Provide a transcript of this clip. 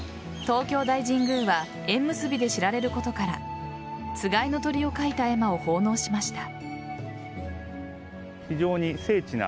東京大神宮は縁結びで知られることからつがいの鶏を描いた絵馬を奉納しました。